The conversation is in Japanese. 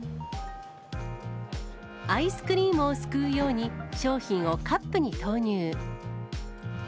アイスクリームをすくうように、商品をカップに投入。